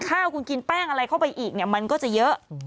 ข้าวคุณกินแป้งอะไรเข้าไปอีกเนี่ยมันก็จะเยอะ